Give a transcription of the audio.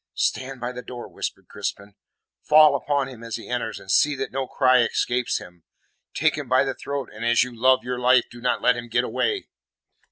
"Stand by the door," whispered Crispin. "Fall upon him as he enters, and see that no cry escapes him. Take him by the throat, and as you love your life, do not let him get away."